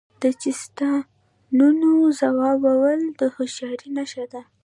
د چیستانونو ځوابول د هوښیارۍ نښه ده.